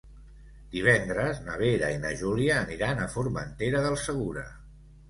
Divendres na Vera i na Júlia aniran a Formentera del Segura.